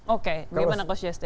oke bagaimana coach justin